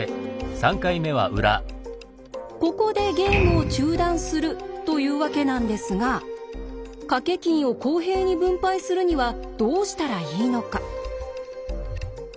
ここでゲームを中断するというわけなんですが賭け金を公平に分配するにはどうしたらいいのか。